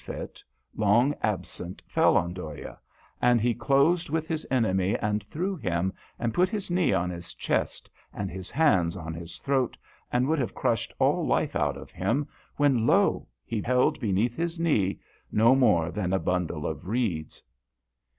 fit, long absent, fell on Dhoya, and he closed with his enemy and threw him, and put his knee on his chest and his hands on his throat, and would have crushed all life out of him, when lo ! he held beneath his knee no more than a bundle of reeds.